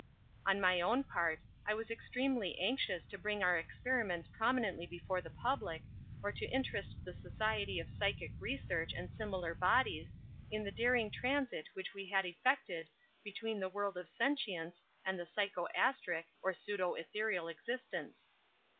On my own part, I was extremely anxious to bring our experiments prominently before the public, or to interest the Society for Psychic Research, and similar bodies, in the daring transit which we had effected between the world of sentience and the psycho astric, or pseudo ethereal existence.